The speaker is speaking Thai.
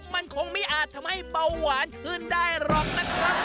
มันคงไม่อาจทำให้เบาหวานขึ้นได้หรอกนะครับ